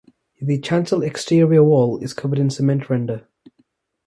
The chancel exterior wall is covered in cement render.